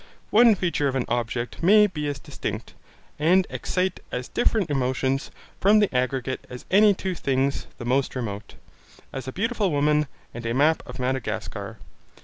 One feature of an object may be as distinct, and excite as different emotions, from the aggregate as any two things the most remote, as a beautiful woman, and a map of Madagascar.